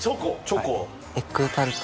エッグタルト。